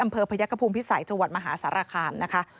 อำเภอพยกภูมิพิสัยจังหวัดมหาศรคารนะคะ